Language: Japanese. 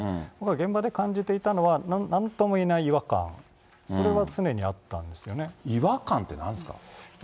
現場で感じていたのは、なんとも言えない違和感、そ違和感ってなんですか？